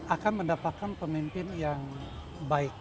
akan mendapatkan pemimpin yang baik